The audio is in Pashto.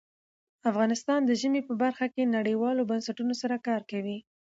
افغانستان د ژمی په برخه کې نړیوالو بنسټونو سره کار کوي.